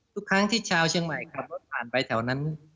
ทุกครั้งที่ชาวเชียงใหม่ขับรถผ่านไปแถวนั้น